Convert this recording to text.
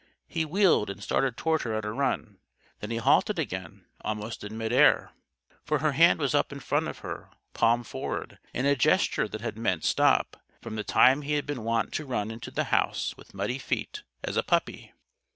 He wheeled and started toward her at a run. Then he halted again, almost in mid air. For her hand was up in front of her, palm forward, in a gesture that had meant "Stop!" from the time he had been wont to run into the house with muddy feet, as a puppy.